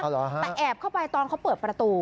แต่แอบเข้าไปตอนเขาเปิดประตู